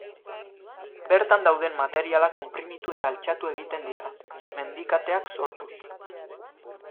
Bertan dauden materialak konprimitu eta altxatu egiten dira, mendikateak sortuz.